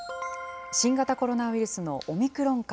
新型コロナウイルスのオミクロン株。